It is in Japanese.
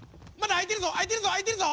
あいてるぞ！